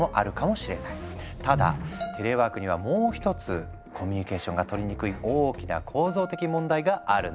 ただテレワークにはもう一つコミュニケーションが取りにくい大きな構造的問題があるんだ。